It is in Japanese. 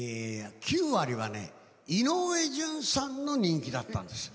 ９割は井上順さんの人気だったんですよ。